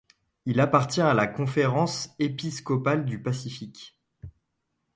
Ile appartient à la conférence épiscopale du Pacifique.